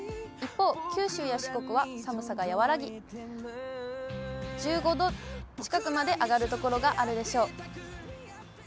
一方、九州や四国は寒さが和らぎ、１５度近くまで上がる所があるでしょう。